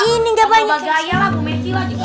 ini gak banyak